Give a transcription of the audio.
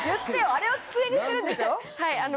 あれを机にするんでしょ？